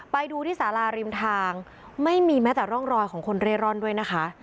ไปดูที่สาราริมทางไม่มีแม้แต่ร่องรอยของคนเร่ร่อนด้วยนะคะ